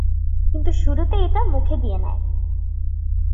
কিন্তু শুরুতে এটা মুখে দিয়ে নেয়।